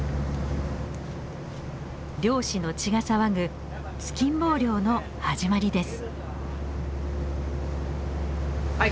漁師の血が騒ぐ突きん棒漁の始まりです。